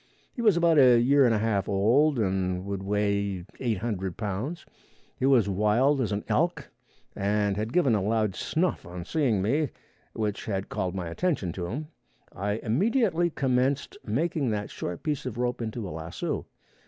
He was about a year and a half old and would weigh 800 pounds. He was wild as an elk and had given a loud snuff on seeing me, which had called my attention to him. I immediately commenced making that short piece of rope into a lasso.